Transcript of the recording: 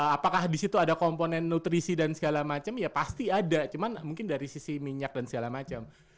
apakah disitu ada komponen nutrisi dan segala macem ya pasti ada cuman mungkin dari sisi minyak dan segala macem